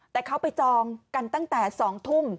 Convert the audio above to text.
แต่เขาไปจองกันตั้งแต่๒ทุ่ม